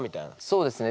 そうですね。